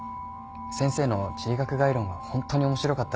先生の地理学概論はホントに面白かったんです。